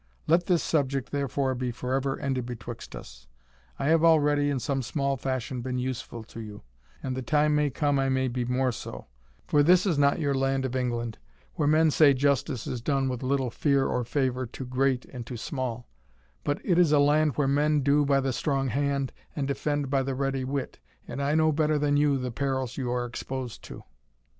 Let this subject, therefore, be forever ended betwixt us. I have already, in some small fashion, been useful to you, and the time may come I may be more so; for this is not your land of England, where men say justice is done with little fear or favour to great and to small; but it is a land where men do by the strong hand, and defend by the ready wit, and I know better than you the perils you are exposed to."